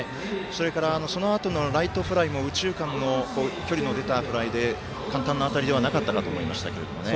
そのあとのライトフライも右中間の距離の出たフライで簡単な当たりではなかったと思いますが。